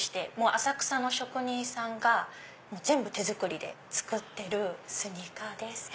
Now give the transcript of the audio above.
浅草の職人さんが全部手作りで作ってるスニーカーです。